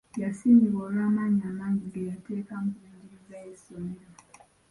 Yasiimibwa olw'amaanyi amangi ge yateekamu ku by'enjigiriza y'essomero.